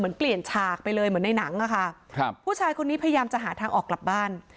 เปลี่ยนฉากไปเลยเหมือนในหนังอะค่ะครับผู้ชายคนนี้พยายามจะหาทางออกกลับบ้าน